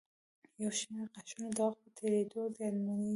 یو شمېر غاښونه د وخت په تېرېدو زیانمنېږي.